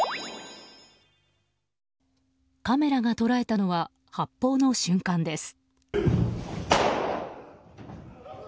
カメラが捉えたのは発砲の瞬間です。